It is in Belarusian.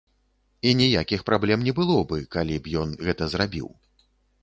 І ніякіх праблем не было бы, калі б ён гэта зрабіў.